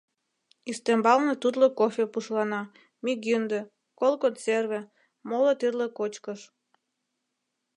Ӱстембалне тутло кофе пушлана, мӱгинде, кол консерве, моло тӱрлӧ кочкыш.